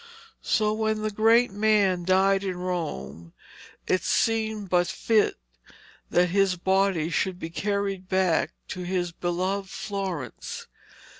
So when the great man died in Rome it seemed but fit that his body should be carried back to his beloved Florence.